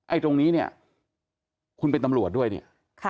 ตรงนี้เนี่ยคุณเป็นตำรวจด้วยเนี่ย